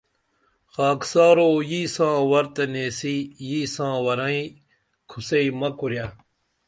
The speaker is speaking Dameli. خاکسارو یی ساں ور تہ نیسی یی ساں ورئیں کُھوسئی مہ کُریہ